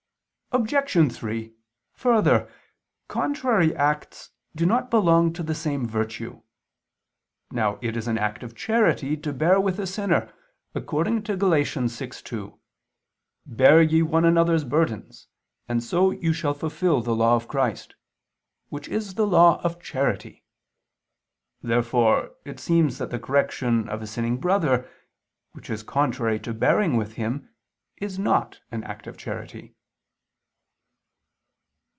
Obj. 3: Further, contrary acts do not belong to the same virtue. Now it is an act of charity to bear with a sinner, according to Gal. 6:2: "Bear ye one another's burdens, and so you shall fulfil the law of Christ," which is the law of charity. Therefore it seems that the correction of a sinning brother, which is contrary to bearing with him, is not an act of charity.